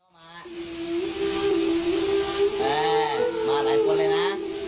มาหลายคนเลยนะ